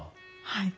はい。